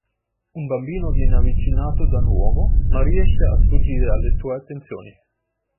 Un bambino viene avvicinato da un uomo ma riesce a sfuggire alle sue attenzioni.